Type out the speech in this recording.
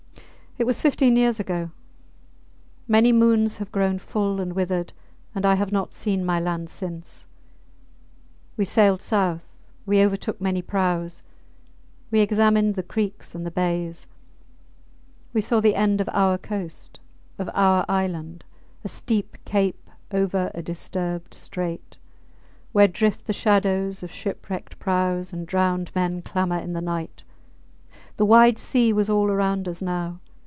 It was fifteen years ago. Many moons have grown full and withered and I have not seen my land since. We sailed south; we overtook many praus; we examined the creeks and the bays; we saw the end of our coast, of our island a steep cape over a disturbed strait, where drift the shadows of shipwrecked praus and drowned men clamour in the night. The wide sea was all round us now.